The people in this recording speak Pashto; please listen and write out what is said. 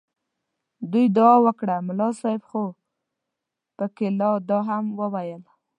دوی دعا وکړه ملا صاحب خو پکې لا دا هم وویل.